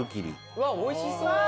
うわっおいしそう！